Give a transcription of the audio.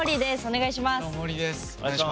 お願いします。